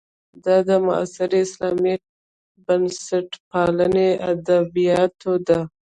دا د معاصرې اسلامي بنسټپالنې ادبیاتو ده.